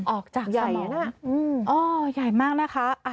ออกจากสมองหน้าใหญ่มากนะคะ